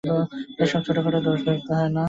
এই সব ছোটখাটো দোষ ধরতে হয় না।